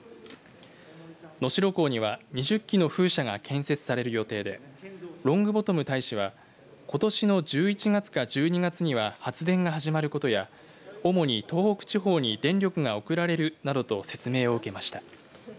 能代港には、２０基の風車が建設される予定でロングボトム大使はことしの１１月か１２月には発電が始まることや主に東北地方に電力が送られるなどと説明を受けました。